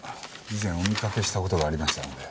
以前お見かけした事がありましたので。